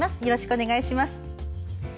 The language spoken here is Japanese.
よろしくお願いします。